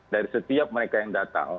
dari setiap mereka yang datang